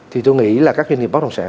thì tôi nghĩ là các doanh nghiệp bất động sản